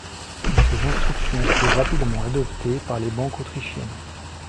Ces instructions furent rapidement adoptées par les banques autrichiennes.